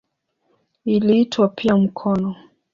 Iliitwa pia "mkono".